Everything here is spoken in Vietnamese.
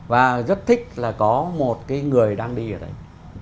và rất thích là có một cái người đang đi ở đấy